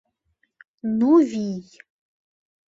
— Ну вий...